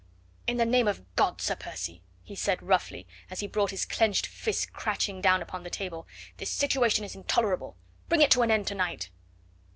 "In the name of God, Sir Percy," he said roughly, as he brought his clenched fist crashing down upon the table, "this situation is intolerable. Bring it to an end to night!"